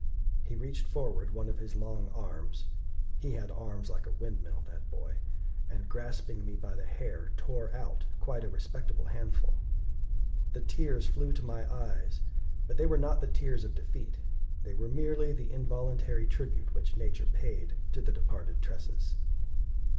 He reached forward one of his long arms he had arms like a windmill, that boy and, grasping me by the hair, tore out quite a respectable handful. The tears flew to my eyes, but they were not the tears of defeat; they were merely the involuntary tribute which nature paid to the departed tresses.